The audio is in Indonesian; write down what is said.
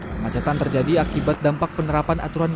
kemacetan terjadi akibat dampak penerapan aturan